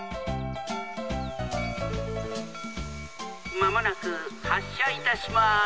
「まもなくはっしゃいたします。